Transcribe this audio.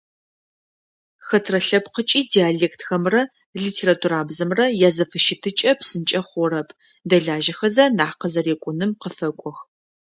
Хэтрэ лъэпкъыкӏи диалектхэмрэ литературабзэмрэ язэфыщытыкӏэ псынкӏэ хъурэп, дэлажьэхэзэ нахь къызэрекӏуным къыфэкӏох.